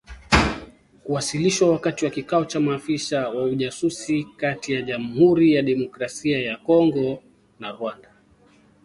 Kuliwasilishwa wakati wa kikao cha maafisa wa ujasusi kati ya Jamuhuri ya Demokrasia ya Kongo na Rwanda